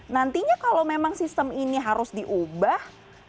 nantinya kalau memang sistem ini harus diubah